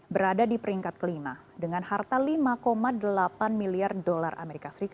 berada di peringkat kelima dengan harta lima delapan miliar dolar as